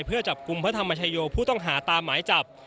เพื่อจับกลุ่มพระธรรมชโยผู้ต้องหาตามหมายจับ